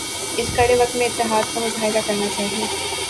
اس کڑے وقت میں اتحاد کا مظاہرہ کرنا چاہئے